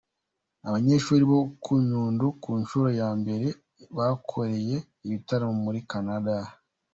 Abanyeshuri bo ku Nyundo ku nshuro ya mbere bakoreye ibitaramo muri Canada.